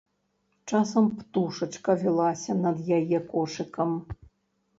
Часам птушачка вілася над яе кошыкам.